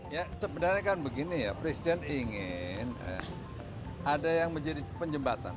ya sebenarnya kan begini ya presiden ingin ada yang menjadi penjembatan